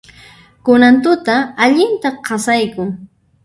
Kunan tuta allinta qasaykun.